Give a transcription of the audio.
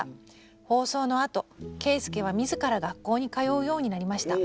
放送のあとけいすけは自ら学校に通うようになりました。